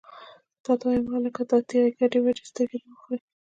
تا ته وایم، وهلکه! دا ټېغې ګډې وډې سترګې دې وخورې!